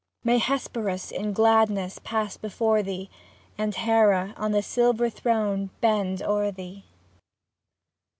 May Hesperus in gladness pass before thee. And Hera of the silver throne bend o'er thee.